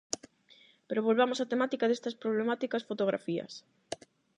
Pero volvamos á temática destas problemáticas fotografías.